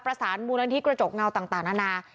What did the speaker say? ประสานบลันทิศกระจกเงาต่างนานา